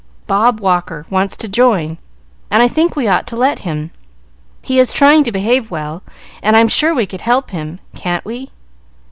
Bob Walker wants to join, and I think we ought to let him. He is trying to behave well, and I am sure we could help him. Can't we?"